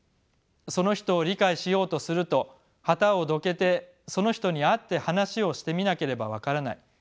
その人を理解しようとすると旗をどけてその人に会って話をしてみなければ分からない。